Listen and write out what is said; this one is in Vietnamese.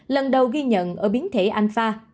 lần đầu ghi nhận ở biến thể alpha